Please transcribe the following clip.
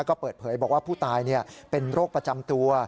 ก็เปิดเผยบอกว่าผู้ตายเป็นโรคประจำตัว